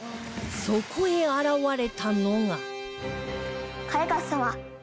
そこへ現れたのが